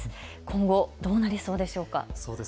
今後、どうなりそうでしょうか。